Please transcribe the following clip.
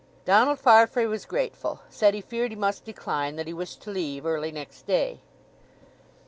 Donald Farfrae was grateful—said he feared he must decline—that he wished to leave early next day.